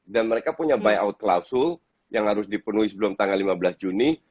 dan mereka punya buyout klausul yang harus dipenuhi sebelum tanggal lima belas juni